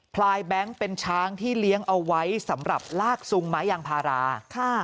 ลายแบงค์เป็นช้างที่เลี้ยงเอาไว้สำหรับลากซุงไม้ยางพารา